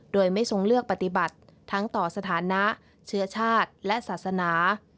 โดยไม่ทรงเลือกปฏิบัติทั้งต่อสถานะเชื้อชาติและศาสนา